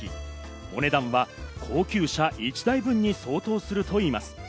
お値段は高級車１台分に相当するといいます。